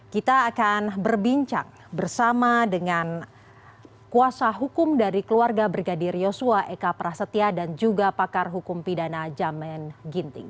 kita akan berbincang bersama dengan kuasa hukum dari keluarga brigadir yosua eka prasetya dan juga pakar hukum pidana jamin ginting